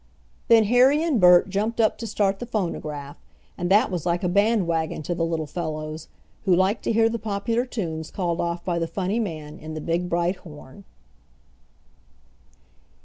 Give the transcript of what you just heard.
Then Harry and Bert jumped up to start the phonograph, and that was like a band wagon to the little fellows, who liked to hear the popular tunes called off by the funny man in the big bright horn.